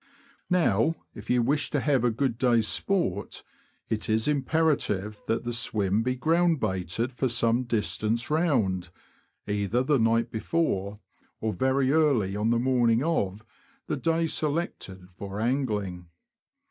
Now, if you wish to have a good day's sport, it is imperative that the swim be ground baited for some distance round, either the night before, or very early on the morning of, the day selected for angling.